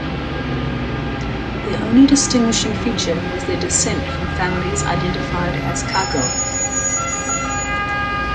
Their only distinguishing feature was their descent from families identified as Cagots.